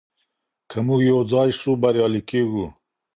که موږ يو ځای سو بريالي کيږو.